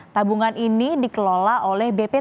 taperan ini dikelola oleh bp taperan